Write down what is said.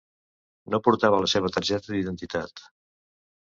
No portava la seva targeta d'identitat.